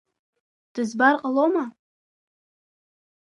Дызбар ҟалома?